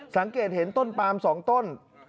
สังเกตเห็นต้นปาม๒ต้น